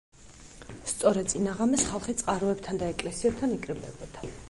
სწორედ წინა ღამეს ხალხი წყაროებთან და ეკლესიებთან იკრიბებოდა.